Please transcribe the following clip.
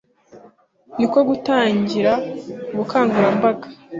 niko gutangira ubukangurambaga